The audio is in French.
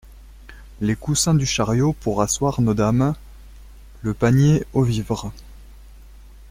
Les coussins du chariot pour asseoir nos dames… le panier aux vivres…